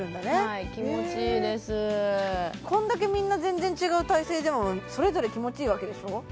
はい気持ちいいですこんだけみんな全然違う体勢でもそれぞれ気持ちいいわけでしょ？